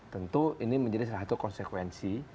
tentu ini menjadi salah satu konsekuensi